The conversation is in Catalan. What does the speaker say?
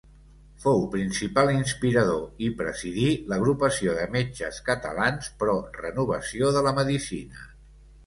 Fou principal inspirador i presidí l'Agrupació de Metges Catalans pro Renovació de la Medicina.